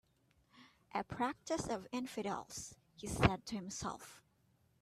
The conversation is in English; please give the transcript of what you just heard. "A practice of infidels," he said to himself.